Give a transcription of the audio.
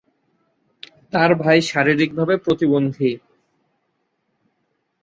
তার ভাই শারীরিকভাবে প্রতিবন্ধী।